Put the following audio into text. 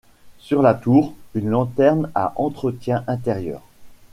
Sur la tour, une lanterne à entretien intérieur.